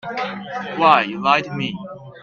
Why, you lied to me.